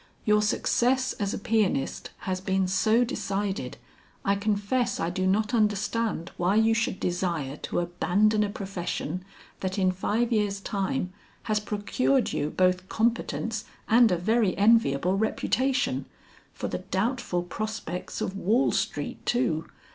"Your success as a pianist has been so decided, I confess I do not understand why you should desire to abandon a profession that in five years' time has procured you both competence and a very enviable reputation for the doubtful prospects of Wall Street, too!"